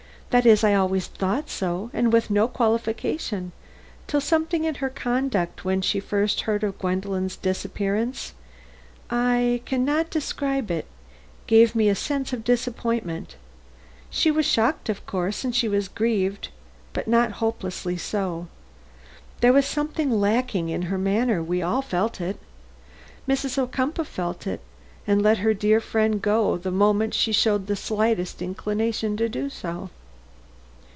That is, I always thought so, and with no qualification, till something in her conduct when she first heard of Gwendolen's disappearance I can not describe it gave me a sense of disappointment. She was shocked, of course, and she was grieved, but not hopelessly so. There was something lacking in her manner we all felt it; Mrs. Ocumpaugh felt it, and let her dear friend go the moment she showed the slightest inclination to do so."